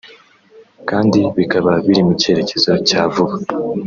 kandi bikaba biri mu cyerekezo cya vuba